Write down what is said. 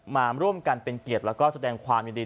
มาร่วมกันเป็นเกียรติแล้วก็แสดงความยินดี